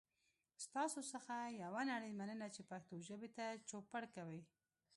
ستاسو څخه یوه نړۍ مننه چې پښتو ژبې ته چوپړ کوئ.